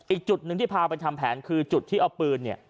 อีกจุดหนึ่งที่พาไปทำแผนคือจุดที่เอาปืนเนี่ย